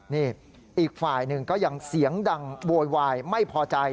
นี่อีกฝ่ายหนึ่งก็ยังเสียงดังโวยวายไม่พอใจ